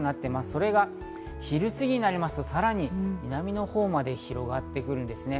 それが昼過ぎになりますと、さらに南のほうまで広がってくるんですね。